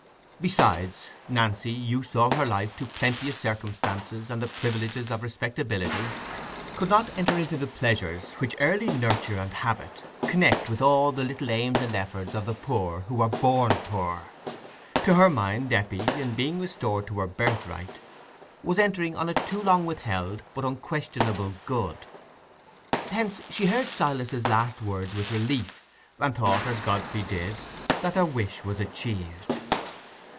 Besides, Nancy, used all her life to plenteous circumstances and the privileges of "respectability", could not enter into the pleasures which early nurture and habit connect with all the little aims and efforts of the poor who are born poor: to her mind, Eppie, in being restored to her birthright, was entering on a too long withheld but unquestionable good. Hence she heard Silas's last words with relief, and thought, as Godfrey did, that their wish was achieved.